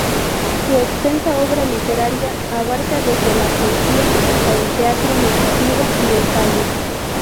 Su extensa obra literaria abarca desde la poesía hasta el teatro, narrativa y ensayo.